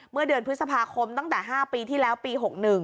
เมื่อเดือนพฤษภาคมตั้งแต่๕ปีที่แล้วปี๖๑